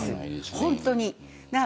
本当に。